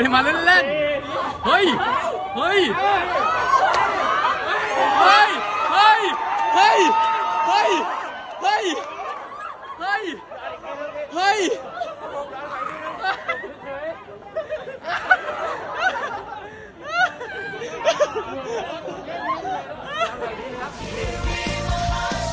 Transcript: รับทราบ